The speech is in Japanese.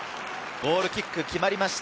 ゴールキック決まりました。